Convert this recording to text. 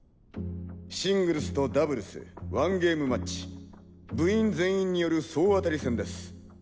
シングルスとダブルス１ゲームマッチ部員全員による総当たり戦です。